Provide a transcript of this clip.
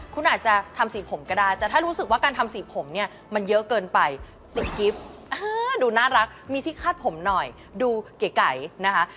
คุณอาจจะทำสีผมก็ได้แต่ถ้ารู้สึกว่าการทำสีผมเนี่ยมันเยอะเกินไปติดกิฟต์ดูน่ารักมีที่คาดผมหน่อยดูเก๋นะคะ